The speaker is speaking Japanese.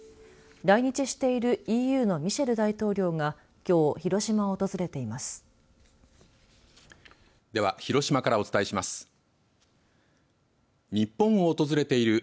来日しているＥＵのミシェル大統領がきょう広島を訪れています。